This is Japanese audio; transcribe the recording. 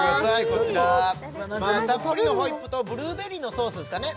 こちらたっぷりのホイップとブルーベリーのソースっすかね